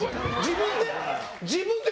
自分で？